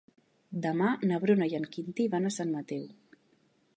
Demà na Bruna i en Quintí van a Sant Mateu.